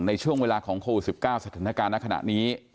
ในช่วงเวลาของโควิด๑๙สถานการณ์ในขณะนี้